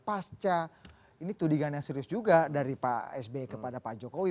pasca ini tudingan yang serius juga dari pak sby kepada pak jokowi